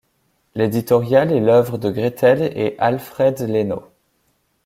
L'éditorial est l'œuvre de Gretel et Alfred Leinau.